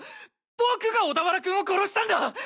僕が小田原君を殺したんだ！